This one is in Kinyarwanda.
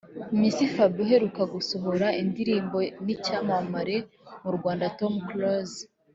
Mc Fab uheruka gusohora indirimbo n’icyamamare mu Rwanda Tom Close